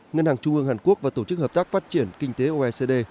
ngân hàng trung ương hàn quốc và tổ chức hợp tác phát triển kinh tế oecd